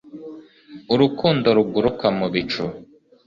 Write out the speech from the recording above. Urukundo ruguruka mu bicu